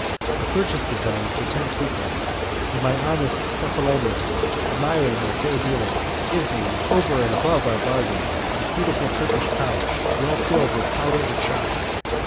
I purchase the gun for the ten sequins, and my honest Cephalonian, admiring my fair dealing, gives me, over and above our bargain, a beautiful Turkish pouch well filled with powder and shot.